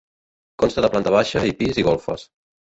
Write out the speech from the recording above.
Consta de planta baixa i pis i golfes.